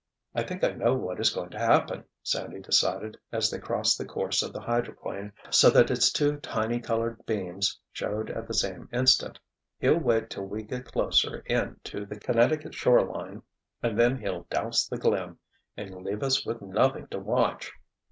"I think I know what is going to happen," Sandy decided, as they crossed the course of the hydroplane so that its two tiny colored beams showed at the same instant. "He'll wait till we get closer in to the Connecticut shore line and then he'll 'douse the glim' and leave us with nothing to watch."